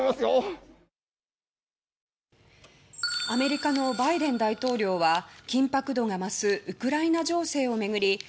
アメリカのバイデン大統領は緊迫度が増すウクライナ情勢を巡り